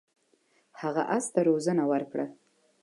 هغه اس ته روزنه ورکړه.